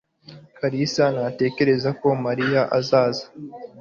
Kalisa ntatekereza ko Mariya azaza.